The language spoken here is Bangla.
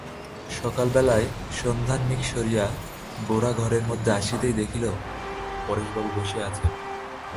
সকালবেলায় সন্ধ্যাহ্নিক সারিয়া গোরা ঘরের মধ্যে আসিতেই দেখিল, পরেশবাবু বসিয়া আছেন।